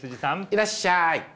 いらっしゃい。